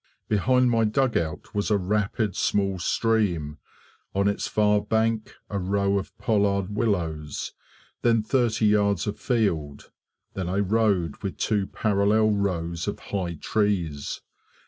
Behind my dugout was a rapid small stream, on its far bank a row of pollard willows, then 30 yards of field, then a road with two parallel rows of high trees.